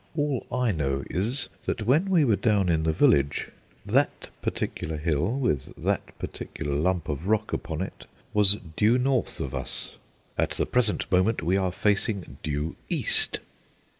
All I know is, that when we were down in the village, that particular hill with that particular lump of rock upon it was due north of us. At the present moment we are facing due east."